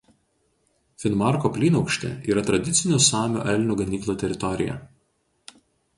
Finmarko plynaukštė yra tradicinių samių elnių ganyklų teritorija.